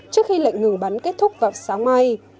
trước khi lệnh ngừng bắn kết thúc vào sáng mai